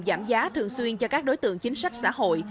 giảm giá thường xuyên cho các đối tượng chính sách xã hội